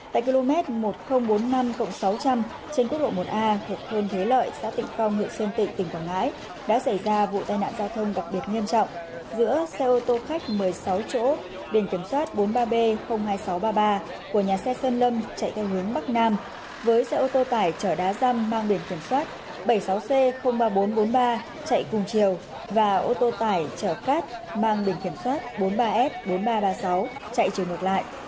tại km một nghìn bốn mươi năm sáu trăm linh trên quốc lộ một a thịt thôn thế lợi xã tịnh phong nguyễn sơn tịnh tỉnh quảng ngãi đã xảy ra vụ tai nạn giao thông đặc biệt nghiêm trọng giữa xe ô tô khách một mươi sáu chỗ biển kiểm soát bốn mươi ba b hai nghìn sáu trăm ba mươi ba của nhà xe sơn lâm chạy theo hướng bắc nam với xe ô tô tải chở đá răm mang biển kiểm soát bảy mươi sáu c ba nghìn bốn trăm bốn mươi ba chạy cùng chiều và ô tô tải chở cát mang biển kiểm soát bốn mươi ba s bốn nghìn ba trăm ba mươi sáu chạy trường ngược lại